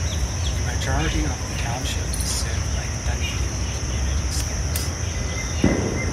The majority of the township is served by Dundee Community Schools.